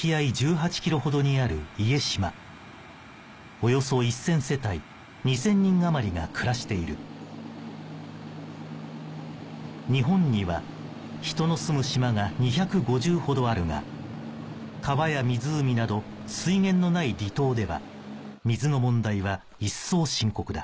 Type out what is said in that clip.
およそ１０００世帯２０００人余りが暮らしている日本には人の住む島が２５０ほどあるが川や湖など水源のない離島では水の問題は一層深刻だ